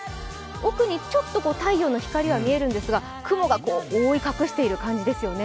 奥にちょっと太陽の光が見えるんですが、雲が覆い隠している感じですよね。